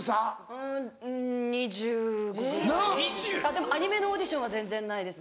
でもアニメのオーディションは全然ないです。